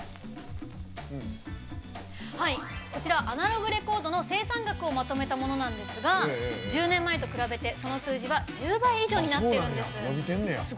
アナログレコードの生産額をまとめたものなんですが１０年前と比べて、その数字は１０倍以上になってるんです。